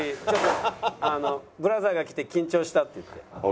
「ブラザーが来て緊張した」って言って。